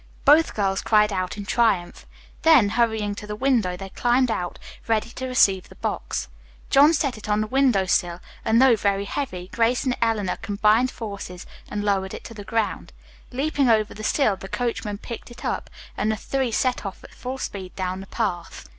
Both girls cried out in triumph. Then, hurrying to the window, they climbed out, ready to receive the box. John set it on the window sill, and, though very heavy, Grace and Eleanor combined forces and lowered it to the ground. Leaping over the sill, the coachman picked it up, and the three set off at full speed down the path.